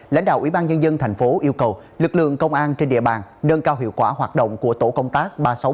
lãnh đạo ubnd thành phố yêu cầu lực lượng công an trên địa bàn nâng cao hiệu quả hoạt động của tổ công tác ba trăm sáu mươi ba